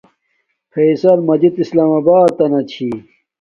فصیل مجیت اسلام آباتانہ چھی